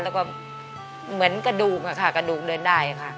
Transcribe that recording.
แล้วก็เหมือนกระดูกค่ะกระดูกเดินได้ค่ะ